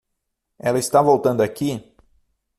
Ela está voltando aqui?